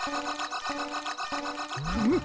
フム！